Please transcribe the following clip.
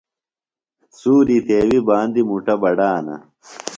سُوری تیویۡ باندیۡ مُٹہ بڈانہ۔